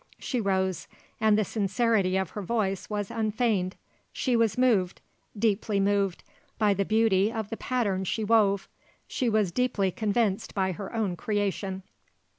She rose, and the sincerity of her voice was unfeigned. She was moved, deeply moved, by the beauty of the pattern she wove. She was deeply convinced by her own creation.